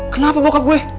kenapa bokap gue